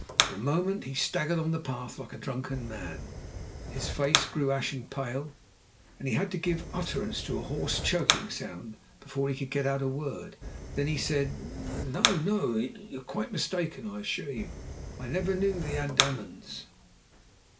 For a moment he staggered on the path like a drunken man; his face grew ashen pale, and he had to give utterance to a hoarse choking sound before he could get out a word. Then he said: "No no you are quite mistaken, I assure you. I never knew the Andamans."